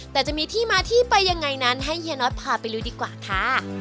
แต่จะมีที่มาที่ไปยังไงนั้นให้เฮียน็อตพาไปลุยดีกว่าค่ะ